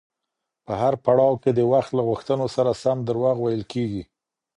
په هر پړاو کي د وخت له غوښتنو سره سم دروغ ویل کیږي.